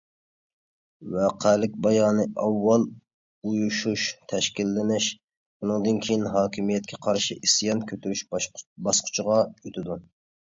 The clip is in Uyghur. ۋەقەلىك بايانى ئاۋۋال ئۇيۇشۇش، تەشكىللىنىش، ئۇنىڭدىن كېيىن ھاكىمىيەتكە قارشى ئىسيان كۆتۈرۈش باسقۇچىغا ئۆتىدۇ.